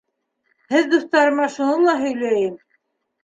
Һеҙ дуҫтарыма шуны ла һөйләйем.